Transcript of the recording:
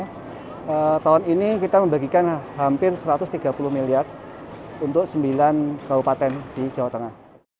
jadi tahun ini kita membagikan hampir satu ratus tiga puluh miliar untuk sembilan kabupaten di jawa tengah